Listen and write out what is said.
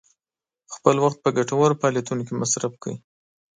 خپل وخت په ګټورو فعالیتونو کې مصرف کړئ.